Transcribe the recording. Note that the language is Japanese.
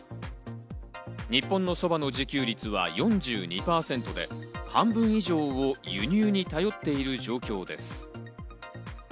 日本の側の自給率は４２％で、半分以上を輸入に頼っている状況です。